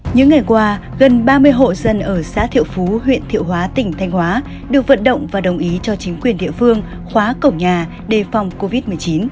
những ngày qua gần ba mươi hộ dân ở xã thiệu phú huyện thiệu hóa tỉnh thanh hóa được vận động và đồng ý cho chính quyền địa phương khóa cổng nhà đề phòng covid một mươi chín